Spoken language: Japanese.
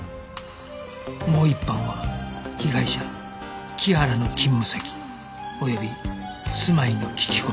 もう一班は被害者木原の勤務先及び住まいの聞き込み